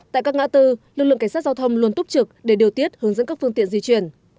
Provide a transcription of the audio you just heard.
tại các ngã tư lực lượng cảnh sát giao thông luôn túc trực để điều tiết hướng dẫn các phương tiện di chuyển